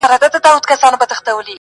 معلم وویل بزګر ته چي دا ولي -